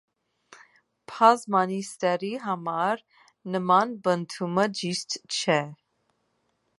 Բազմանիստերի համար նման պնդումը ճիշտ չէ։